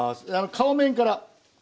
皮面から。